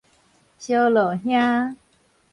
燒烙兄